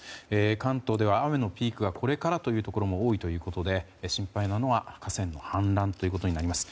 関東では雨のピークがこれからというところも多いようで心配なのは河川の氾濫となります。